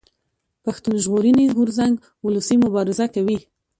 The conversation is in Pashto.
پښتون ژغورني غورځنګ اولسي مبارزه کوي